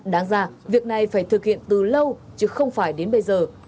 đáng ra việc này phải thực hiện từ lâu chứ không phải đến bây giờ